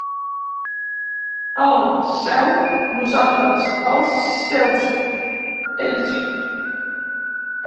El seu nosaltres; els seus; ells.